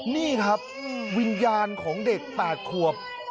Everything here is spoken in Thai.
นี่ครับวิญญาณของเด็ก๘ขวบ